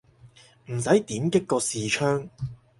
唔使點擊個視窗